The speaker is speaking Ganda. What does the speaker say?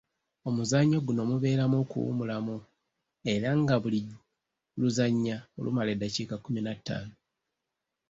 Omuzannyo guno mubeeramu okuwummulamu era nga buli luzannya lumala eddakiika kkumi na ttaano.